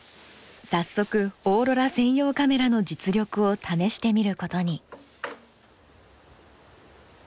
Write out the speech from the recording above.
早速オーロラ専用カメラの実力を試してみることに。